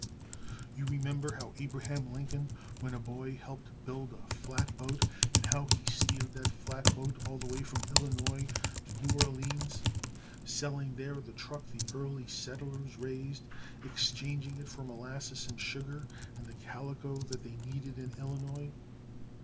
You remember how Abraham Lincoln when a boy helped build a flat boat, and how he steered that flat boat all the way from Illinois to New Orleans, selling there the truck the early settlers raised, exchanging it for molasses, and sugar, and the calico that they needed in Illinois.